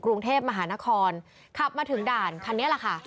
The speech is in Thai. กรุงเทพมหานครขับมาถึงด่านคันนี้แหละค่ะ